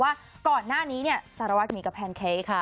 ว่าก่อนหน้านี้เนี่ยสารวัตรหมีกับแพนเค้กค่ะ